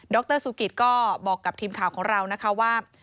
รสุกิตก็บอกกับทีมข่าวของเรานะคะว่า